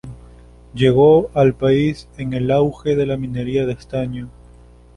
Llegó al país en el auge de la minería de estaño.